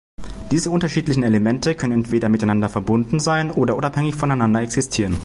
Diese unterschiedlichen Elemente können entweder miteinander verbunden sein oder unabhängig voneinander existieren.